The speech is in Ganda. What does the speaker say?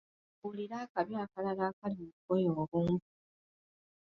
Mbuulira akabi akalala akali mu bugoye obumpi.